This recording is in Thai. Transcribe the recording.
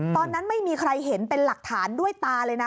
ตอนนั้นไม่มีใครเห็นเป็นหลักฐานด้วยตาเลยนะ